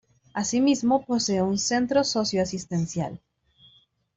Asimismo, posee un centro socio-asistencial.